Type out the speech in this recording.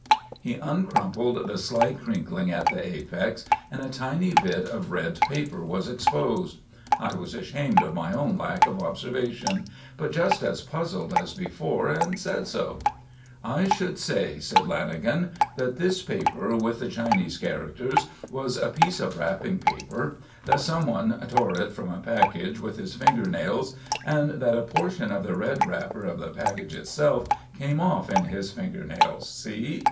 He uncrumpled the slight crinkling at the apex and a tiny bit of red paper was exposed. I was ashamed of my own lack of observation; but just as puzzled as before and said so. "I should say," said Lanagan, "that this paper with the Chinese characters was a piece of wrapping paper; that someone tore it from a package with his finger nails and that a portion of the red wrapper of the package itself, came off in his finger nails. See?"